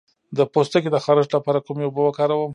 د پوستکي د خارښ لپاره کومې اوبه وکاروم؟